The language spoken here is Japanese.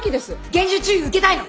厳重注意受けたいの？